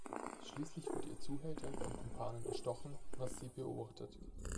Schließlich wird ihr Zuhälter von Kumpanen erstochen, was sie beobachtet.